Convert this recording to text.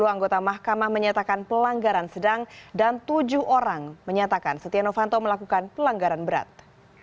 sepuluh anggota mahkamah menyatakan pelanggaran sedang dan tujuh orang menyatakan setia novanto melakukan pelanggaran berat